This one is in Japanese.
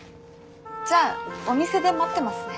じゃあお店で待ってますね。